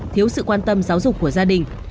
thiếu sự quan tâm giáo dục của gia đình